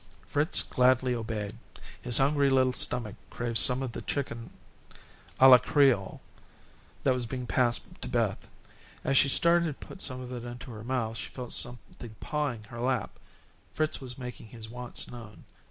Fritz gladly obeyed. His hungry little stomach craved some of the chicken a la Creole which was being passed to Beth. As she started to put some of it into her mouth, she felt something pawing her lap. Fritz was making his wants known.